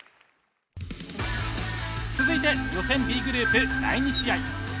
続いて予選Ｂグループ第２試合。